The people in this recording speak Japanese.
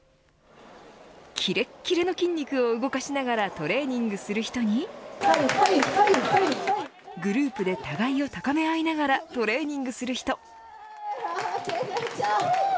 きれきれの筋肉を動かしながらトレーニングする人にグループで互いを高め合いながらトレーニングする人。